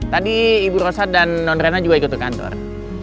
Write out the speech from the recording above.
tadi ibu rosa dan nonrena juga ikut ke kantor